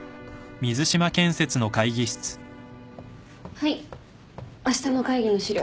はいあしたの会議の資料。